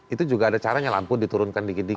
itu juga ada caranya lampu diturunkan dikit dikit